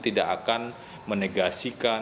tidak akan menegasikan